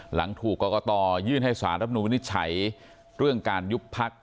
หลังถูกก็ก็ตอยื่นให้สารรัฐธรรมนูญนิจฉัยเรื่องการยุบพลักษณ์